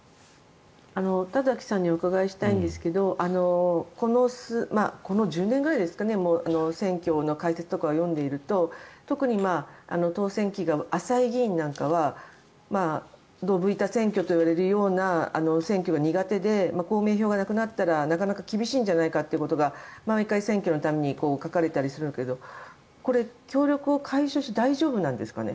田崎さんにお伺いしたいんですけどこの１０年ぐらいですか選挙の解説とかを読んでいると特に当選期が浅い議員はどぶ板選挙といわれるような選挙が苦手で公明票がなくなったらなかなか厳しいんじゃないかというのが毎回選挙の度に書かれたりするけど協力を解消して大丈夫ですかね